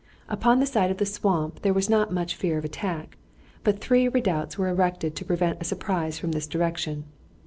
Upon the side of the swamp there was not much fear of attack, but three redoubts were erected to prevent a surprise from this direction.